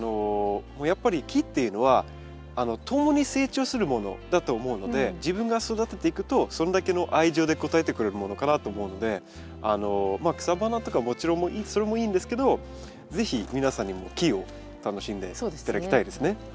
やっぱり木っていうのは共に成長するものだと思うので自分が育てていくとそれだけの愛情で応えてくれるものかなと思うのでまあ草花とかもちろんそれもいいんですけど是非皆さんにも木を楽しんで頂きたいですね。